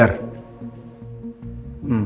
aku akan menunggu